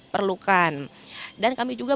perlukan dan kami juga